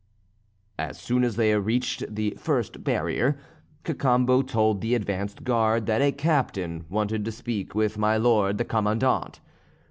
As soon as they reached the first barrier, Cacambo told the advanced guard that a captain wanted to speak with my lord the Commandant.